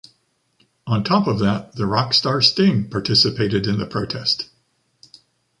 On top of that, the rock star Sting participated in the protest.